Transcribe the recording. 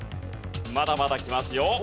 まだまだきますよ。